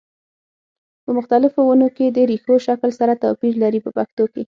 په مختلفو ونو کې د ریښو شکل سره توپیر لري په پښتو کې.